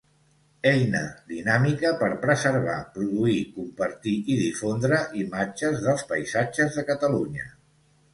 Eina dinàmica per preservar, produir, compartir i difondre imatges dels paisatges de Catalunya.